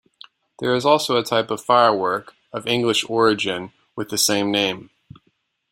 There is also a type of firework, of English origin, with the same name.